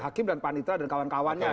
hakim dan panitra dan kawan kawannya